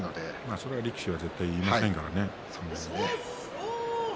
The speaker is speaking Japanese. それは力士は絶対言いませんからね。